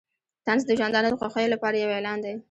طنز د ژوندانه د خوښیو لپاره یو اعلان دی.